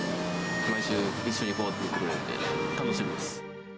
毎週、一緒に行こうって言ってくれて、楽しみです。